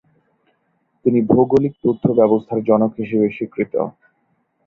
তিনি ভৌগোলিক তথ্য ব্যবস্থার জনক হিসেবে স্বীকৃত।